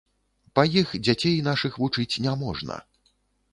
Па іх дзяцей нашых вучыць няможна.